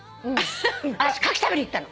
私カキ食べに行ったの。